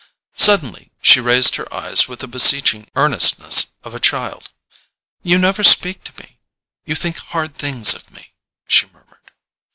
Suddenly she raised her eyes with the beseeching earnestness of a child. "You never speak to me—you think hard things of me," she murmured.